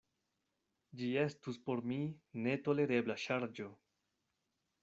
Ĝi estus por mi netolerebla ŝarĝo.